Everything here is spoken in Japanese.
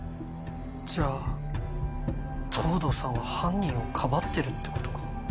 じゃあ藤堂さんは犯人をかばってるってことか？